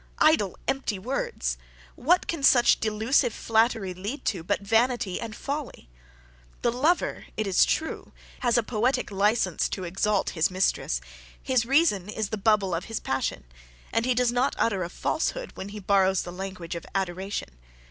Idle empty words! what can such delusive flattery lead to, but vanity and folly? The lover, it is true, has a poetic licence to exalt his mistress; his reason is the bubble of his passion, and he does not utter a falsehood when he borrows the language of adoration.